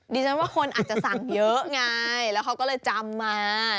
ดิฉันว่าคนอาจจะสั่งเยอะไงแล้วเขาก็เลยจำมา